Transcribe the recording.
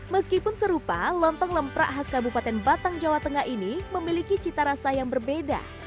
meskipun serupa lontong lemprak khas kabupaten batang jawa tengah ini memiliki cita rasa yang berbeda